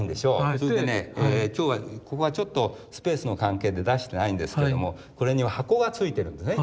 それでね今日はここはちょっとスペースの関係で出してないんですけどもこれには箱が付いてるんですね。